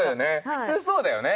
普通そうだよね。